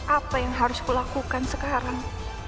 apa yang harus kulakukan sekarang